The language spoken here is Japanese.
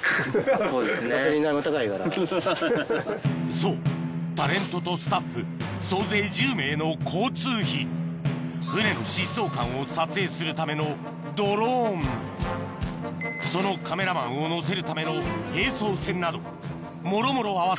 そうタレントとスタッフ総勢１０名の交通費船の疾走感を撮影するためのドローンそのカメラマンを乗せるための並走船などもろもろ合わせ